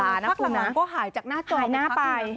พักหลังหลังก็หายจากหน้าจอหายหน้าไป